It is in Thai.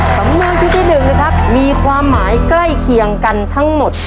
สำนวนชุดที่๑นะครับมีความหมายใกล้เคียงกันทั้งหมด